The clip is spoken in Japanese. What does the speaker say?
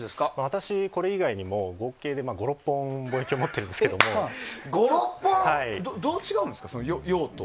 私これ以外にも合計で５６本望遠鏡を持っているんですけども。どう違うんですか、用途は。